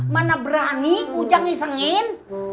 mana berani ujang isengin